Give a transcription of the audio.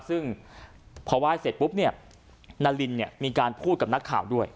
ซึ่งพอไหว้เสร็จปุ๊บเนี่ยนารินเนี่ยมีการพูดกับนักข่าวด้วย